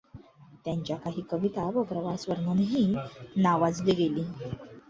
त्याच्या काही कविता व प्रवासवर्णनेही नावाजली गेली.